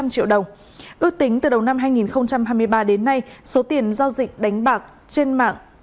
sáu trăm linh triệu đồng ước tính từ đầu năm hai nghìn hai mươi ba đến nay số tiền giao dịch đánh bạc trên mạng